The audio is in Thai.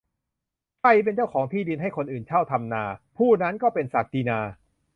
ใครเป็นเจ้าของที่ดินให้คนอื่นเช่าทำนา ผู้นั้นก็เป็นศักดินา